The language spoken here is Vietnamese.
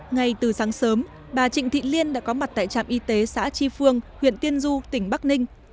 ngay từ sáng sớm bà trịnh thị liên đã có mặt tại trạm y tế xã tri phương huyện tiên du tỉnh bắc ninh